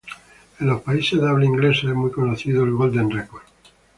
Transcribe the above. En los países de habla inglesa es muy conocido el Golden Record.